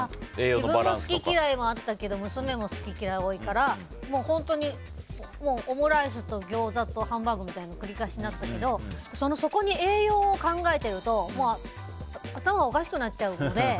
自分の好き嫌いもあったけど娘も好き嫌い多いからオムライスとギョーザとハンバーグみたいな繰り返しになったけどそこに栄養を考えていると頭がおかしくなっちゃうので。